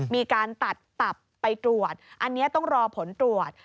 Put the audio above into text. มีการตัดตับไปตรวจอันนี้ต้องรอผลตรวจ